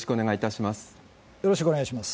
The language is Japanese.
よろしくお願いします。